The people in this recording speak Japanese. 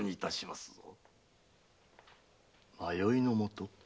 迷いのもと？